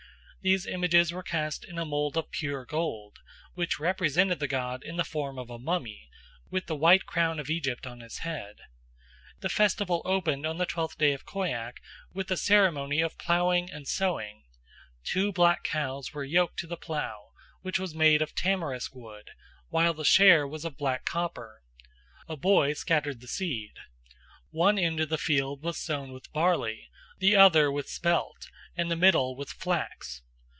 These images were cast in a mould of pure gold, which represented the god in the form of a mummy, with the white crown of Egypt on his head. The festival opened on the twelfth day of Khoiak with a ceremony of ploughing and sowing. Two black cows were yoked to the plough, which was made of tamarisk wood, while the share was of black copper. A boy scattered the seed. One end of the field was sown with barley, the other with spelt, and the middle with flax.